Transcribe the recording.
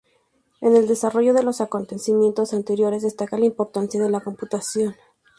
En el desarrollo de los acontecimientos anteriores, destaca la importancia de la computación.